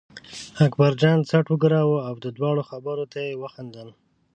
اکبرجان څټ و ګراوه او د دواړو خبرو ته یې وخندل.